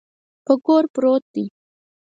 په کور پروت دی.